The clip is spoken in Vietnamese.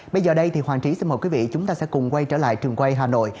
bây giờ đây thì hoàng trí xin mời quý vị chúng ta sẽ cùng quay trở lại trường quay hà nội